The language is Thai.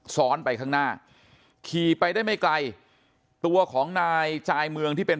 ซ้อนไปข้างหน้าขี่ไปได้ไม่ไกลตัวของนายจายเมืองที่เป็น